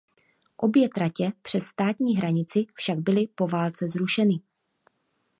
Obě tratě přes státní hranici však byly po válce zrušeny.